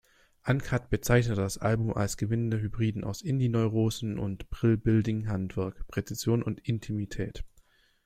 Uncut bezeichnete das Album als gewinnenden Hybriden aus Indie-Neurosen und Brill-Building-Handwerk, Präzision und Intimität.